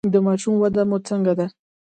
د ماشوم وده مو څنګه ده؟